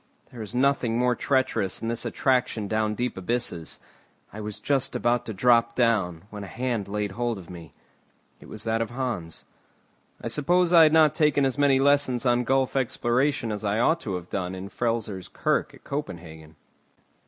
There is nothing more treacherous than this attraction down deep abysses. I was just about to drop down, when a hand laid hold of me. It was that of Hans. I suppose I had not taken as many lessons on gulf exploration as I ought to have done in the Frelsers Kirk at Copenhagen.